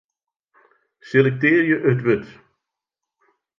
Selektearje it wurd.